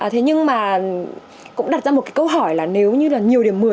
thế nhưng mà cũng đặt ra một câu hỏi là nếu như là nhiều điểm một mươi